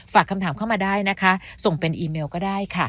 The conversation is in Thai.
ฝากคำถามเข้ามาได้นะคะส่งเป็นอีเมลก็ได้ค่ะ